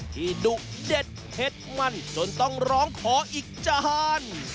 ดุเด็ดเผ็ดมันจนต้องร้องขออีกจาน